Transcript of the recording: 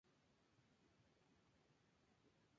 Es nacida en Italia de padres brasileños y se crio en São Paulo.